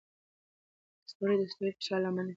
ستوري د هستوي فشار له امله انفجار کوي.